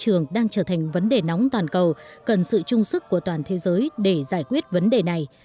các quốc gia đang trở thành vấn đề nóng toàn cầu cần sự trung sức của toàn thế giới để giải quyết vấn đề này